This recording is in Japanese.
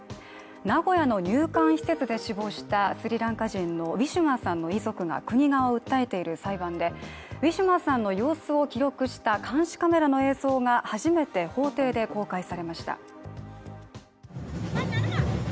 名古屋の入管施設で死亡したスリランカ人のウィシュマさんの遺族が国側を訴えている裁判でウィシュマさんの様子を記録した監視カメラの映像が初めて法廷で公開されました。